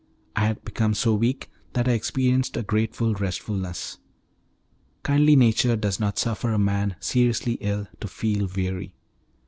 I had become so weak that I experienced a grateful restfulness. Kindly nature does not suffer a man seriously ill to feel weary.